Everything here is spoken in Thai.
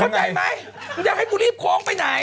อันไงความใจไหมอยากให้กูหลีบโค้งไปไหน